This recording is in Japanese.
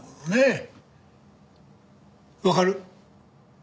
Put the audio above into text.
わかる？